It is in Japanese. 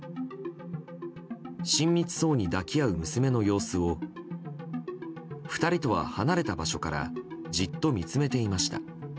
親密そうに抱き合う娘の様子を２人とは離れた場所からじっと見つめていました。